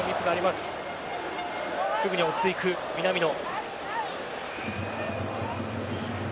すぐに追っていく南野。